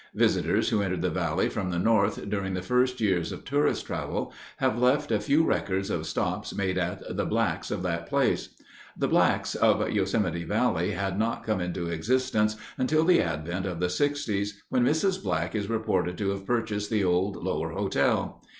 Visitors who entered the valley from the north during the first years of tourist travel have left a few records of stops made at the "Black's" of that place. The "Black's" of Yosemite Valley did not come into existence until the advent of the 'sixties, when Mrs. Black is reported to have purchased the old Lower Hotel.